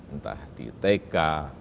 entah di tk